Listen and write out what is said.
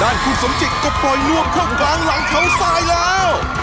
ด้านคุณสมจิกก็ปล่อยนวมเข้ากลางหลังเขาสายแล้ว